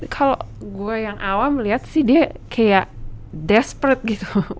kalau gue yang awal melihat sih dia kayak desperate gitu